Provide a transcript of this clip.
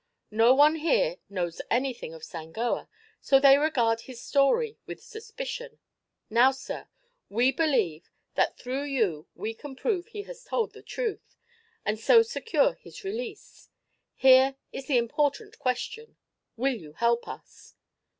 No one here knows anything of Sangoa, so they regard his story with suspicion. Now, sir, we believe that through you we can prove he has told the truth, and so secure his release. Here is the important question: Will you help us?"